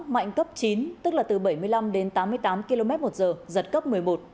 mạnh cấp chín tức là từ bảy mươi năm đến tám mươi tám km một giờ giật cấp một mươi một